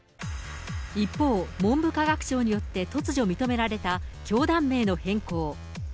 一方、文部科学省によって突如認められた教団名の変更。